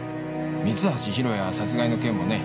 三橋弘也殺害の件もね